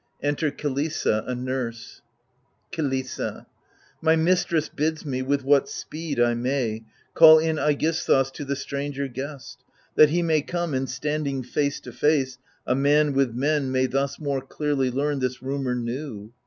\Enter Kilissa^ a nurse. Kilissa My mistress bids me, with what speed I may, Call in iEgisthus to the stranger guests. That he may come, and standing face to face, A man with men, may thus more clearly learn This rumour new.